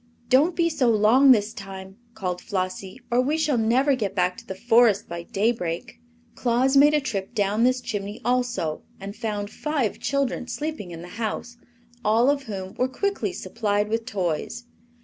"Don't be so long, this time," called Flossie, "or we shall never get back to the Forest by daybreak." Claus made a trip down this chimney also and found five children sleeping in the house, all of whom were quickly supplied with toys.